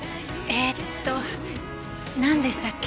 えーっとなんでしたっけ？